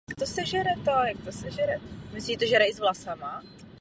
Vedle celkové renovace technického zázemí se rekonstrukce týkala i celého interiéru divadla.